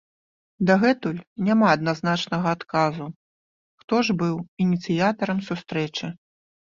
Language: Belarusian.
Дагэтуль няма адназначнага адказу, хто ж быў ініцыятарам сустрэчы.